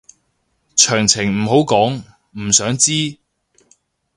詳情唔好講，唔想知